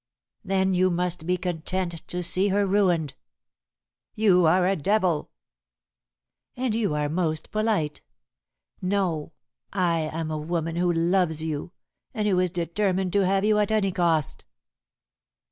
"Then you must be content to see her ruined." "You are a devil!" "And you are most polite. No; I am a woman who loves you, and who is determined to have you at any cost."